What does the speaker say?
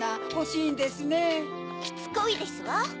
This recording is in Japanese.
しつこいですわ。